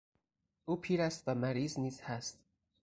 او پیر است و مریض نیز هست.